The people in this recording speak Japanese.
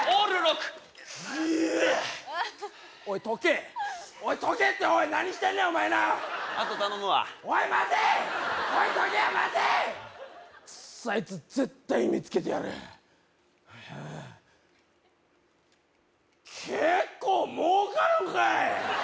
クッソあいつ絶対見つけてやる結構儲かるんかい！